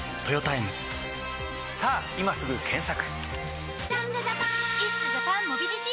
さぁ今すぐ検索！